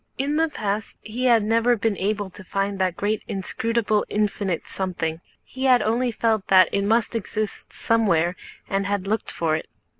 In the past he had never been able to find that great inscrutable infinite something. He had only felt that it must exist somewhere and had looked for it.